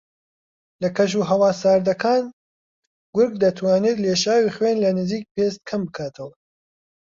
لە کەش و ھەوا ساردەکان گورگ دەتوانێت لێشاوی خوێن لە نزیک پێست کەم بکاتەوە